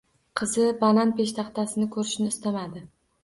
Qizi banan peshtaxtasini koʻrishini istamasdi.